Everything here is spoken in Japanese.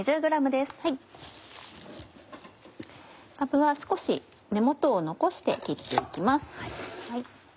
かぶは少し根元を残して切って行きます。